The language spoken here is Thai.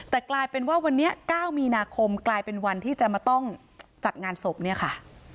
แต่กลายเป็นว่าวันนี้๙มีนาคมกลายเป็นวันที่จะมาต้องจัดงานศพเนี่ยค่ะ